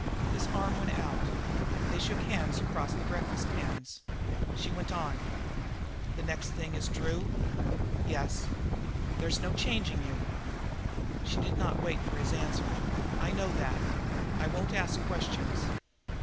His arm went out; they shook hands across their breakfast pans. She went on: "The next thing is Drew?" "Yes." "There's no changing you." She did not wait for his answer. "I know that. I won't ask questions.